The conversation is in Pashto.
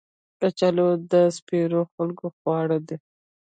کچالو د سپېرو خلکو خواړه دي